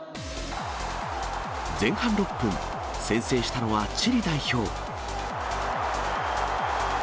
前半６分、先制したのはチリ代表。